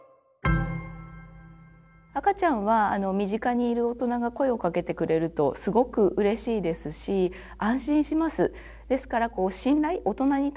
赤ちゃんは身近にいる大人が声をかけてくれるとすごくうれしいですし安心します。